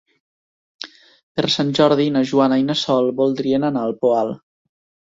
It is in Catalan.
Per Sant Jordi na Joana i na Sol voldrien anar al Poal.